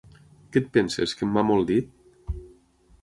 Què et penses, que em mamo el dit?